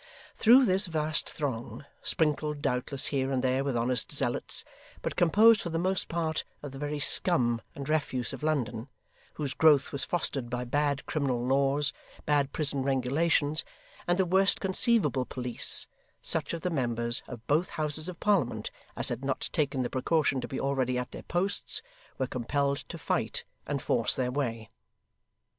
Through this vast throng, sprinkled doubtless here and there with honest zealots, but composed for the most part of the very scum and refuse of London, whose growth was fostered by bad criminal laws, bad prison regulations, and the worst conceivable police, such of the members of both Houses of Parliament as had not taken the precaution to be already at their posts, were compelled to fight and force their way.